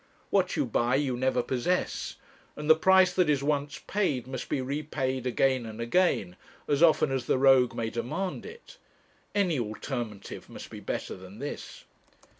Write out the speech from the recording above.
What you buy you never possess; and the price that is once paid must be repaid again and again, as often as the rogue may demand it. Any alternative must be better than this.